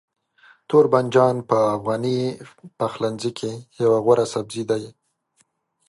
توربانجان په افغاني پخلنځي کې یو غوره سبزی دی.